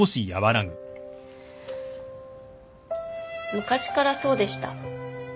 昔からそうでした。